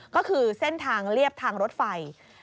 ก็คือเส้นทางเรียบทางรถไฟ